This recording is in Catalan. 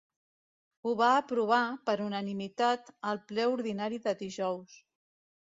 Ho va aprovar, per unanimitat, el ple ordinari de dijous.